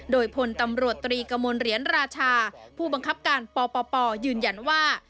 โดยพลตำรวจตรีกระมวลเหรียญราชาผู้บังคับการปปยืนยันว่า